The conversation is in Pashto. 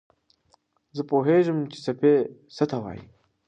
زه پوهېږم چې څپې څه ته وايي.